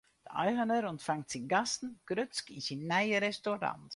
De eigener ûntfangt syn gasten grutsk yn syn nije restaurant.